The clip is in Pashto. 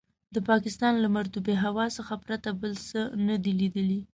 د پاکستان له مرطوبې هوا څخه پرته بل څه نه دي لیدلي.